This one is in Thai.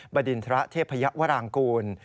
บดินทระเทพยวรางกูล